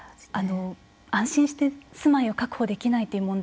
安心して住まいを確保できないという問題。